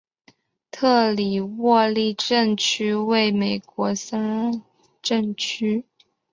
特里沃利镇区为美国堪萨斯州埃尔斯沃思县辖下的镇区。